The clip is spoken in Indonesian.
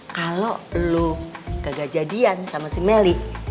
kalo lo gagak jadian sama si meli